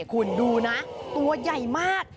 คุณดูนะตัวใหญ่มาก